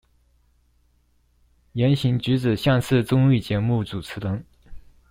言行舉止像是綜藝節目主持人